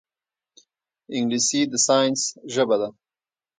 انګلیسي د ساینس ژبه ده